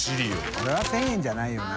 これは１０００円じゃないよな。